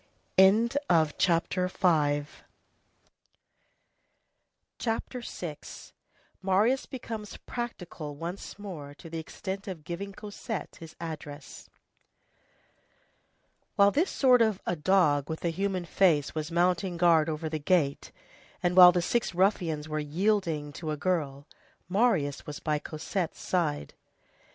CHAPTER VI—MARIUS BECOMES PRACTICAL ONCE MORE TO THE EXTENT OF GIVING COSETTE HIS ADDRESS While this sort of a dog with a human face was mounting guard over the gate, and while the six ruffians were yielding to a girl, Marius was by Cosette's side.